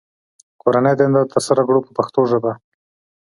کورنۍ دنده ترسره کړو په پښتو ژبه.